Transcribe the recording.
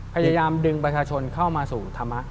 พยายามดึงประชาชนเข้ามาสู่ธรรมะ